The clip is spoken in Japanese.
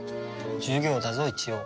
授業だぞ一応。